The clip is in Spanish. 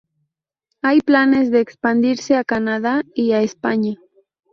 Hay planes de expandirse a Canadá y a España.